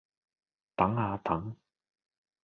等呀等！